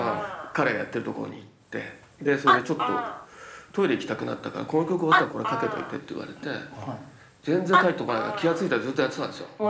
彼がやってる所に行ってでそれで「ちょっとトイレ行きたくなったからこの曲終わったらこれかけといて」って言われて全然帰ってこないから気が付いたらずっとやってたんですよ